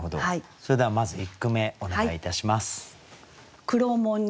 それではまず１句目お願いいたします。